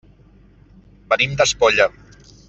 Venim d'Espolla.